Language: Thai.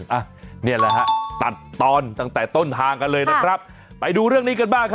อ่ะนี่แหละฮะตัดตอนตั้งแต่ต้นทางกันเลยนะครับไปดูเรื่องนี้กันบ้างครับ